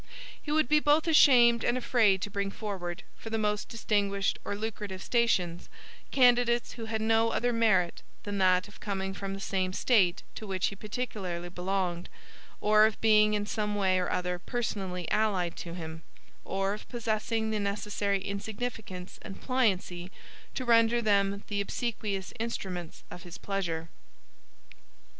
He would be both ashamed and afraid to bring forward, for the most distinguished or lucrative stations, candidates who had no other merit than that of coming from the same State to which he particularly belonged, or of being in some way or other personally allied to him, or of possessing the necessary insignificance and pliancy to render them the obsequious instruments of his pleasure.